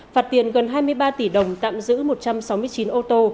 phạt tiền gần hai mươi ba tỷ đồng tạm giữ một trăm sáu mươi chín ô tô